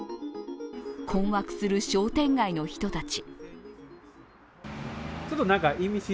困惑する商店街の人たち。